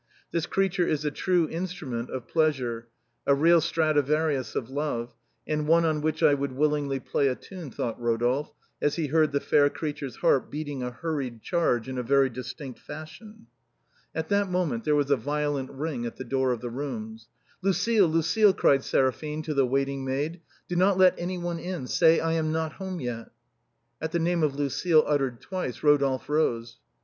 " This creature is a true instrument of pleasure, a real Stradivarius of love, and one on which I would willingly play a tune," thought Eodolphe, as he heard the fair creature's heart beating a hurried charge in very distinct fashion. 174 THE BOHEMIANS OF THE LATIN QUARTER. At that moment there was a violent ring at the door of the rooms, " Lucile, Lucile," cried Seraphine to the waiting maid, " do not let anyone in, say I am not home yet." At the name of Lucile uttered twice, Rodolphe rose.